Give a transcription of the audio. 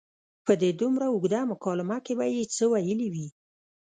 په دې دومره اوږده مکالمه کې به یې څه ویلي وي.